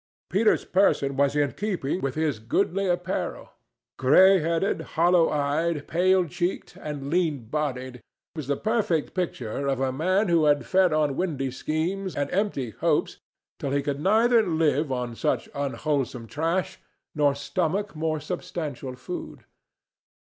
Peter's person was in keeping with his goodly apparel. Gray headed, hollow eyed, pale cheeked and lean bodied, he was the perfect picture of a man who had fed on windy schemes and empty hopes till he could neither live on such unwholesome trash nor stomach more substantial food.